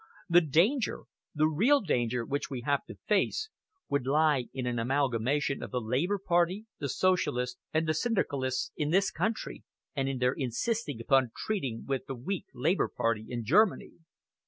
The danger, the real danger which we have to face, would lie in an amalgamation of the Labour Party, the Socialists and the Syndicalists in this country, and in their insisting upon treating with the weak Labour Party in Germany."